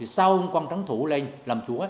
sau ông quan trấn thủ lên làm chúa